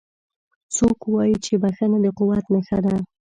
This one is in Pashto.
څوک وایي چې بښنه د قوت نښه ده